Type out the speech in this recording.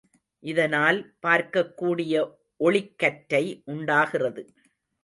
இதனால் பார்க்கக் கூடிய ஒளிக்கற்றை உண்டாகிறது.